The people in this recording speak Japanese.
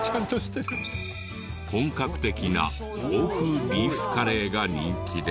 本格的な欧風ビーフカレーが人気で。